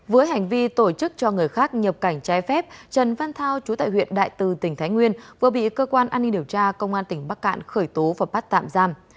với hành vi tổ chức cho người khác nhập cảnh trái phép trần văn thao chú tại huyện đại từ tỉnh thái nguyên vừa bị cơ quan an ninh điều tra công an tỉnh bắc cạn khởi tố và bắt tạm giam